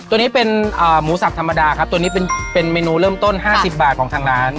ตัวนี้เป็นหมูสับธรรมดาครับตัวนี้เป็นเมนูเริ่มต้น๕๐บาทของทางร้าน